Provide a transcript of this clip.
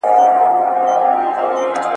که خلګ پوه سي نو سم سياسي تصميم نيسي.